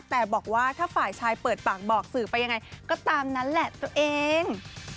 แต่บอกว่าถ้าฝ่ายชายเปิดปากบอกสื่อไปยังไงก็ตามนั้นแหละตัวเอง